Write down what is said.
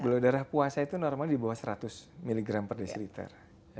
gula darah puasa itu normal di bawah seratus mg per desiliter